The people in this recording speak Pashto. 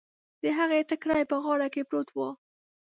د هغې ټکری په غاړه کې پروت و.